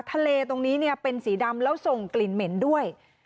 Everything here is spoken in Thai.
ทะเลตรงนี้เนี่ยเป็นสีดำแล้วส่งกลิ่นเหม็นด้วย